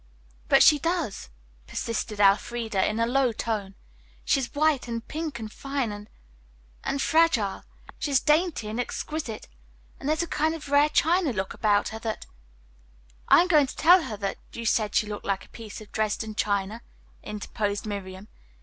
"But she does," persisted Elfreda in a low tone. "She's white and pink and fine and and fragile. She's dainty and exquisite, and there's a kind of rare china look about her that " "I am going to tell her you said she looked like a piece of Dresden china," interposed Miriam.